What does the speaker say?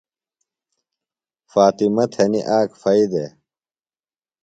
فاطمہ تھنیۡ آک پھئی دےۡ۔